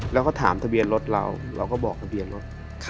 แล้วก็ถามทะเบียนรถเราเราก็บอกทะเบียนรถ